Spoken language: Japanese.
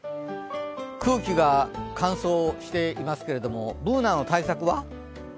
空気が乾燥していますけれどもＢｏｏｎａの対策は？